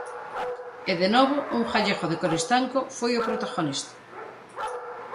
E de novo un galego, de Coristanco, foi protagonista.